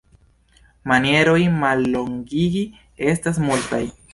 Manieroj mallongigi estas multaj.